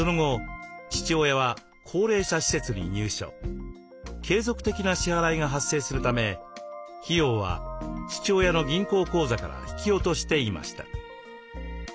その後継続的な支払いが発生するため費用は父親の銀行口座から引き落としていました。